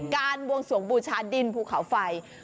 บวงสวงบูชาดินภูเขาไฟ